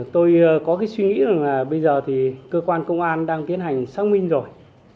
tôi có suy nghĩ là bây giờ thì cơ quan công an đang tiến hành xác minh rồi